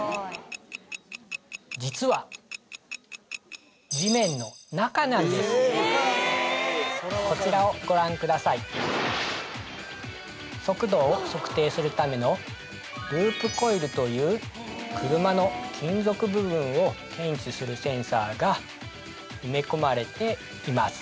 実は地面の中なんですこちらをご覧ください速度を測定するためのループコイルという車の金属部分を検知するセンサーが埋め込まれています